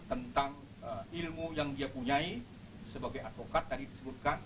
tentang ilmu yang dia punya sebagai advokat tadi disebutkan